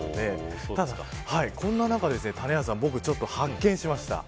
ただそんな中、谷原さん僕、ちょっと発見しました。